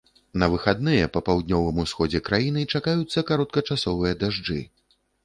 На выхадныя па паўднёвым усходзе краіны чакаюцца кароткачасовыя дажджы.